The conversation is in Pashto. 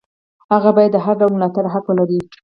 هغه باید د هر ډول ملاتړ حق ولري.